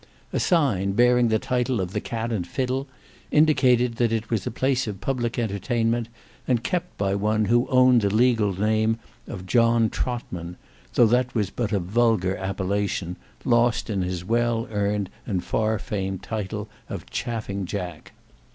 A sign, bearing the title of the Cat and Fiddle, indicated that it was a place of public entertainment, and kept by one who owned the legal name of John Trottman, though that was but a vulgar appellation, lost in his well earned and far famed title of Chaffing Jack.